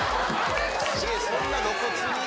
そんな露骨に？